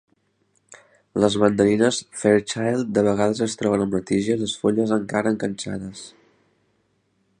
Les mandarines Fairchild de vegades es troben amb la tija i les fulles encara enganxades.